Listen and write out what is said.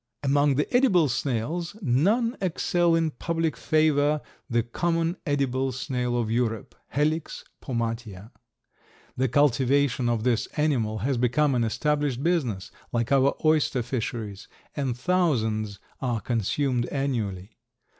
Among the edible snails none excel in public favor the common edible snail of Europe (Helix pomatia). The cultivation of this animal has become an established business, like our oyster fisheries, and thousands are consumed annually.